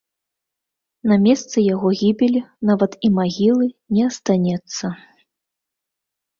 На месцы яго гібелі нават і магілы не астанецца.